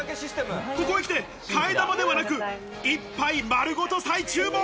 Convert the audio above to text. ここにきて替玉ではなく１杯丸ごと再注文！